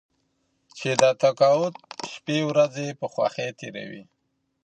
چې د تقاعد شپې ورځې په خوښۍ تېروي.